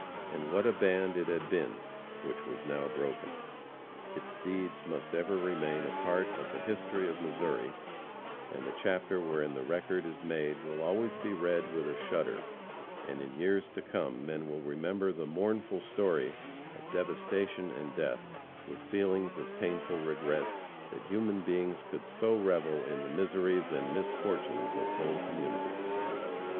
And what a band it had been, which was now broken! Its deeds must ever remain a part of the history of Missouri, and the chapter wherein the record is made will always be read with a shudder, and in years to come men will remember the mournful story of devastation and death with feelings of painful regret that human beings could so revel in the miseries and misfortunes of whole communities.